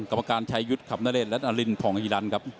กรรมการชัยยุทธ์คำนาเลชน์และอลินพองอิรันท์ครับ